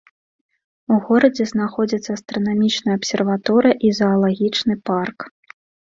У горадзе знаходзіцца астранамічная абсерваторыя і заалагічны парк.